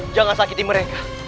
jangan sakiti mereka